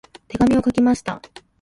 手紙を書きました。